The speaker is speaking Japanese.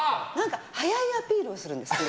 早いアピールをするんです。